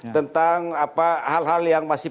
tentang hal hal yang masih